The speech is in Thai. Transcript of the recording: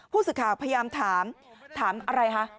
ผู้ศึกาพยายามถามถามอะไรฮะ